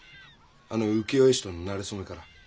あの浮世絵師とのなれそめから。